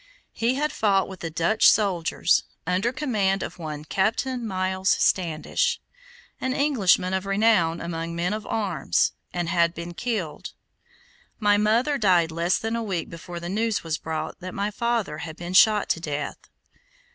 He had fought with the Dutch soldiers under command of one Captain Miles Standish, an Englishman of renown among men of arms, and had been killed. My mother died less than a week before the news was brought that my father had been shot to death.